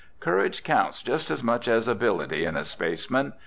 Courage counts just as much as ability in a spaceman.